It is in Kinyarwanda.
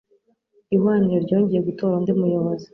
Ihwaniro ryongeye gutora undi muyobozi.